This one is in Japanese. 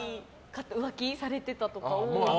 浮気されてたとか。